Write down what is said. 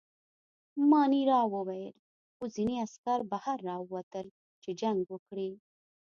مانیرا وویل: خو ځینې عسکر بهر راووتل، چې جنګ وکړي.